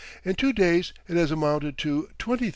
In two days it has amounted to £20,000."